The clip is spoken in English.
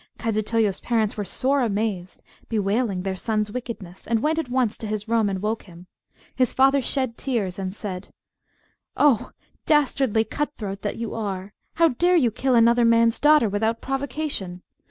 Kadzutoyo's parents were sore amazed, bewailing their son's wickedness, and went at once to his room and woke him; his father shed tears and said "Oh! dastardly cut throat that you are! how dare you kill another man's daughter without provocation?